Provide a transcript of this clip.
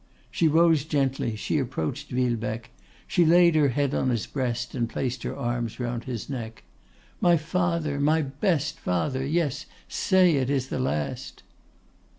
She rose gently, she approached Villebecque, she laid her head on his breast, and placed her arms round his neck, 'My father, my best father, yes, say it is the last.